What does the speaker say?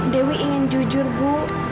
dewi ingin jujur bu